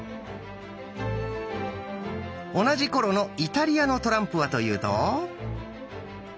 同じ頃のイタリアのトランプはというと。